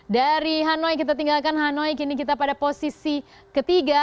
dari hanoi kita tinggalkan hanoi kini kita pada posisi ketiga